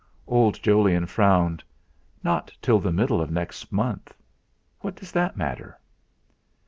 Old Jolyon frowned. "Not till the middle of next month. What does that matter?"